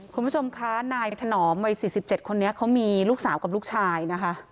คุณผู้ชมคะนายถนอมวัย๔๗คนนี้เขามีลูกสาวกับลูกชายนะคะ